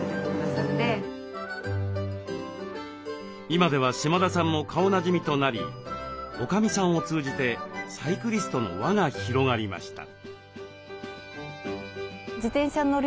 今では島田さんも顔なじみとなりおかみさんを通じてサイクリストの輪が広がりました。